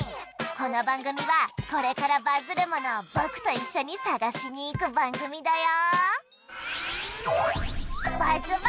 この番組はこれからバズるものを僕と一緒に探しに行く番組だよ